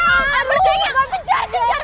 amber jeng yang ngejar ngejar